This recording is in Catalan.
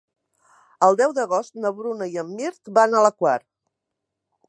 El deu d'agost na Bruna i en Mirt van a la Quar.